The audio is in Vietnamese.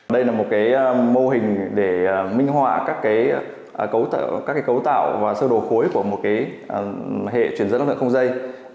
đây là một mô hình để minh họa các cấu tạo và sơ đồ khối của một hệ truyền dẫn năng lượng không dây